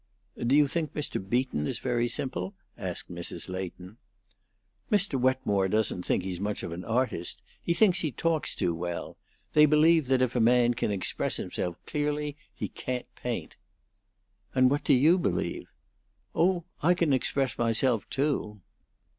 "Do you think Mr. Beaton is very simple?" asked Mrs. Leighton. "Mr. Wetmore doesn't think he's very much of an artist. He thinks he talks too well. They believe that if a man can express himself clearly he can't paint." "And what do you believe?" "Oh, I can express myself, too."